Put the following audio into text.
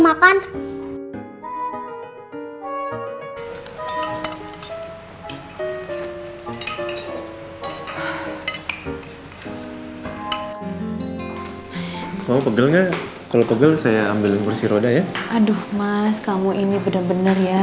makan kau pegelnya kalau pegel saya ambil bersih roda ya aduh mas kamu ini bener bener ya